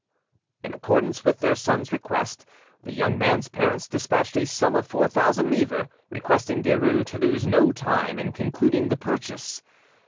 In accordance with their son's request, the young man's parents despatched a sum of four thousand livres, requesting Derues to lose no time in concluding the purchase.